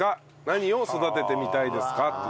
何を育ててみたいですか？という。